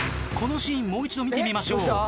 このシーンもう一度見てみましょう。